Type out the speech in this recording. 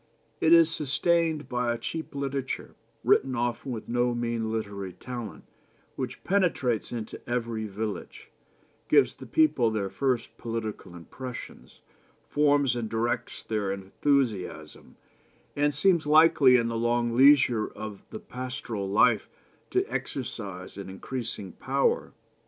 It is sustained by a cheap literature, written often with no mean literary skill, which penetrates into every village, gives the people their first political impressions, forms and directs their enthusiasm, and seems likely in the long leisure of the pastoral life to exercise an increasing power.